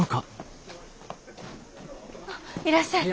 あっいらっしゃい。